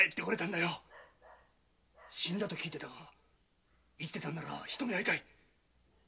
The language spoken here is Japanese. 死んだと聞いていたが生きてたんなら一目会いたい！